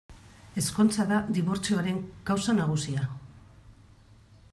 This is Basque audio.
Ezkontza da dibortzioaren kausa nagusia.